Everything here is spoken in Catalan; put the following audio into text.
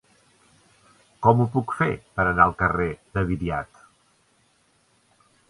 Com ho puc fer per anar al carrer de Viriat?